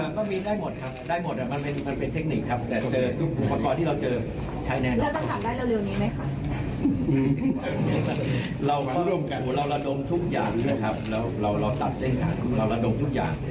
โปรดติดตามตอนต่อไป